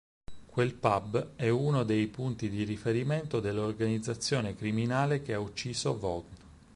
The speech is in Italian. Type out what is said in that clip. Quel Pub è uno dei punti di riferimento dell'organizzazione criminale che ha ucciso Vaughn.